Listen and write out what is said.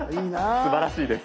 すばらしいです。